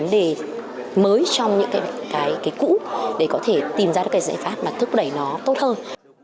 những vấn đề mới trong những cái cũ để có thể tìm ra những cái giải pháp mà thúc đẩy nó tốt hơn